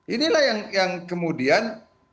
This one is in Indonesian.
inilah yang kemudian